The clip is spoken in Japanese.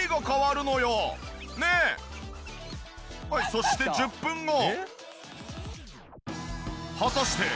そして１０分後。